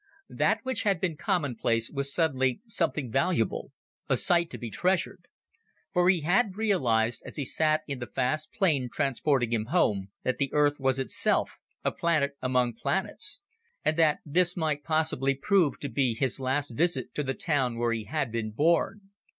That which had been commonplace was suddenly something valuable, a sight to be treasured. For he had realized, as he sat in the fast plane transporting him home, that the Earth was itself a planet among planets, and that this might possibly prove to be his last visit to the town where he had been born.